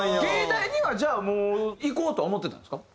藝大にはじゃあもう行こうとは思ってたんですか？